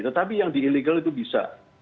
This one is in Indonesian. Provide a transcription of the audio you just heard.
tetapi yang di ilegal itu bisa